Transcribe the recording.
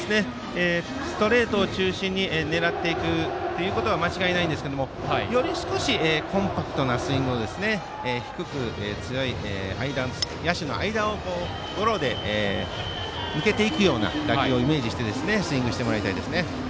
ストレート中心に狙うということは間違いないですがよりコンパクトなスイングを低く、野手の間をゴロで抜けていくような打球をイメージしてスイングしてほしいですね。